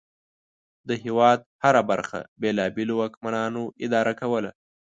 د هېواد هره برخه بېلابېلو واکمنانو اداره کوله.